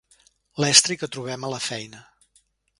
L'estri que trobem a la feina.